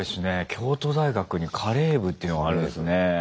京都大学にカレー部っていうのがあるんですね。